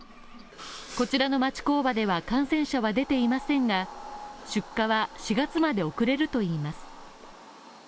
こちらの町工場では感染者は出ていませんが、出荷は４月まで遅れるといいます。